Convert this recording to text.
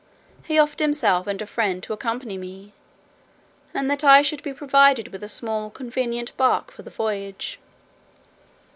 He offered himself and a friend to accompany me, and that I should be provided with a small convenient bark for the voyage.